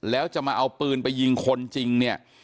แล้วจะมาเอาปืนไปยิงคนจริงเนี่ย